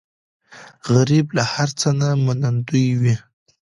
غریب له هر څه نه منندوی وي